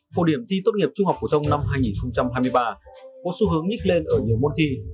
phổ điểm thi tốt nghiệp trung học phổ thông năm hai nghìn hai mươi ba có xu hướng nhích lên ở nhiều môn thi